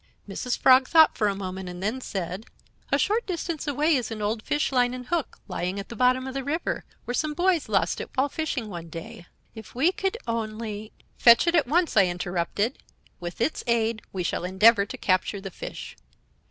"Mrs. Frog thought for a moment, and then said: "'A short distance away is an old fish line and hook, lying at the bottom of the river, where some boys lost it while fishing one day. If we could only ' "'Fetch it at once,' I interrupted. 'With its aid we shall endeavor to capture the fish.'